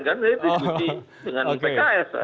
saya diskusi dengan pks